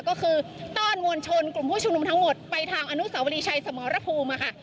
ก็คือต้อนมวลชนกลุ่มผู้ชุมนุมทั้งหมดไปทางอนุสาวรีชัยสมรภูมิค่ะ